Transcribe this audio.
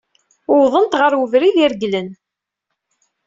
Wwḍent ɣer ubrid ireglen.